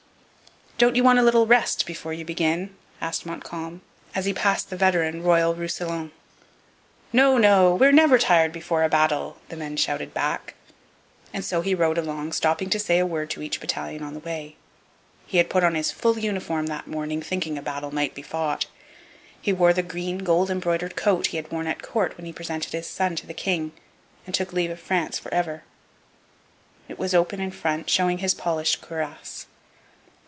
'Don't you want a little rest before you begin?' asked Montcalm, as he passed the veteran Royal Roussillon. 'No, no; we're never tired before a battle!' the men shouted back. And so he rode along, stopping to say a word to each battalion on the way. He had put on his full uniform that morning, thinking a battle might be fought. He wore the green, gold embroidered coat he had worn at court when he presented his son to the king and took leave of France for ever. It was open in front, showing his polished cuirass.